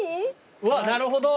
うわなるほど。